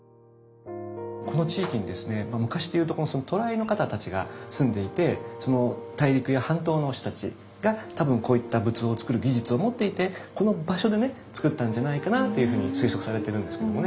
この地域にですね昔で言うところの渡来の方たちが住んでいてその大陸や半島の人たちが多分こういった仏像をつくる技術を持っていてこの場所でねつくったんじゃないかなというふうに推測されてるんですけどもね。